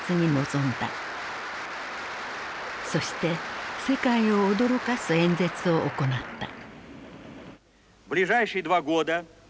そして世界を驚かす演説を行った。